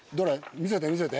見せて見せて。